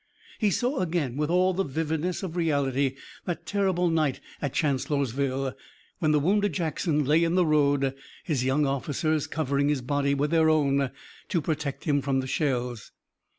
He saw again with all the vividness of reality that terrible night at Chancellorsville, when the wounded Jackson lay in the road, his young officers covering his body with their own to protect him from the shells.